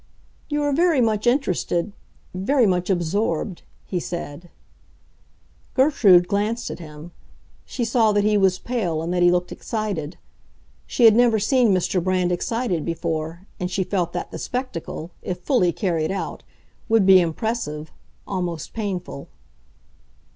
"You are very much interested—very much absorbed," he said. Gertrude glanced at him; she saw that he was pale and that he looked excited. She had never seen Mr. Brand excited before, and she felt that the spectacle, if fully carried out, would be impressive, almost painful.